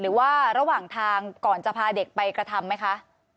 หรือว่าระหว่างทางก่อนจะพาเด็กไปกระทำไหมคะ